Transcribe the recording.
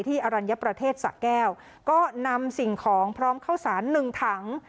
อรัญญประเทศสะแก้วก็นำสิ่งของพร้อมเข้าสารหนึ่งถัง